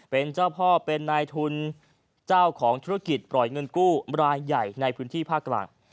เป็นเจ้าพ่อเป็นนายทุนเจ้าของธุรกิจปล่อยเงินกู้รายใหญ่ในพื้นที่ภาคกลาง